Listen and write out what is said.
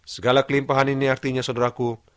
segala kelimpahan ini artinya saudara ku